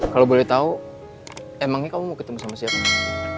kalau boleh tahu emangnya kamu mau ketemu sama siapa